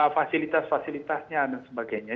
fasilitas fasilitasnya dan sebagainya